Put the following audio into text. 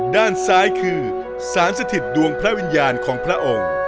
ด้านซ้ายคือสารสถิตดวงพระวิญญาณของพระองค์